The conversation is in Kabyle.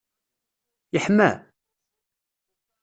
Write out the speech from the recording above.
Yeḥma?